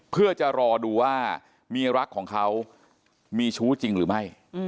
เพื่อจะรอดูว่าเมียรักของเขามีชู้จริงหรือไม่